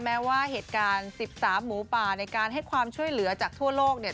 แม้ว่าเหตุการณ์๑๓หมูป่าในการให้ความช่วยเหลือจากทั่วโลกเนี่ย